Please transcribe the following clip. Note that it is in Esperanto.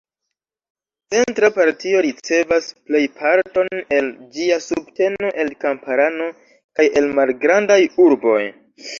Centra partio ricevas plejparton el ĝia subteno el kamparano kaj el malgrandaj urboj.